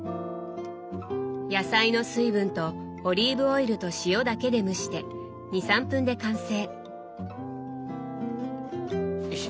野菜の水分とオリーブオイルと塩だけで蒸して２３分で完成！